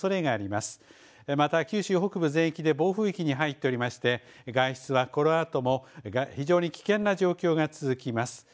また九州北部全域で暴風域に入っておりまして、外出はこのあとも非常に危険な状況が続きます。